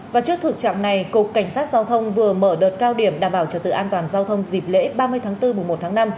và trước thực trạng này cục cảnh sát giao thông vừa mở đợt cao điểm đảm bảo trật tự an toàn giao thông dịp lễ ba mươi tháng bốn mùa một tháng năm